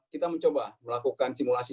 kita mencoba melakukan simulasi